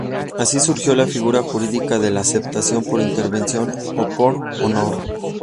Así surgió la figura jurídica de la aceptación por intervención, o por honor.